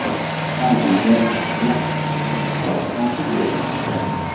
تا جێگای ریکخراوی کۆمەلەی نەتەوەکان بگرێتەوە